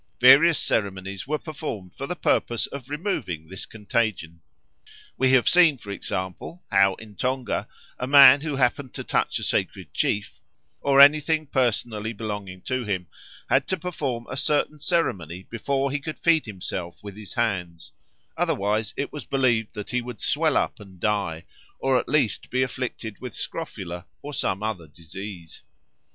Various ceremonies were performed for the purpose of removing this contagion. We have seen, for example, how in Tonga a man who happened to touch a sacred chief, or anything personally belonging to him, had to perform a certain ceremony before he could feed himself with his hands; otherwise it was believed that he would swell up and die, or at least be afflicted with scrofula or some other disease.